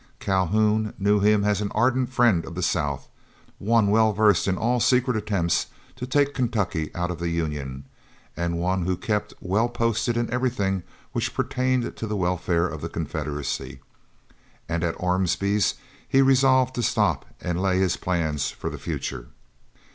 Calhoun knew him as an ardent friend of the South, one well versed in all secret attempts to take Kentucky out of the Union, and one who kept well posted in everything which pertained to the welfare of the Confederacy; and at Ormsby's he resolved to stop and lay his plans for the future.